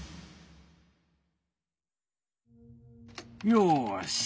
よし！